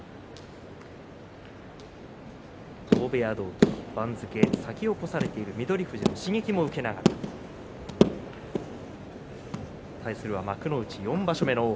同部屋同期、番付を先を越されている翠富士に刺激を受けながら対するは幕内４場所目の王鵬。